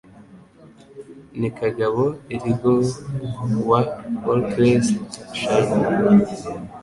ni Kagabo Illingworth wa Worcestershire